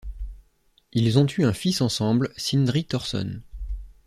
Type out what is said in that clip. Ils ont eu un fils ensemble, Sindri Thorsson.